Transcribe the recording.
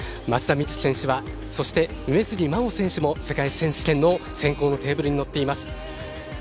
松田瑞生選手そして上杉真穂選手も世界選手権の選考のテーブルに乗っています。